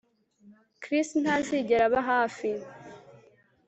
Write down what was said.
Chris ntazigera aba hafi